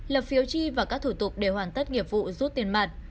lập phiếu chi và các thủ tục để hoàn tất nghiệp vụ rút tiền mặt